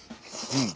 うん。